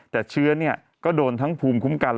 แต่เชื้อก็โดนทั้งภูมิคุ้มกัน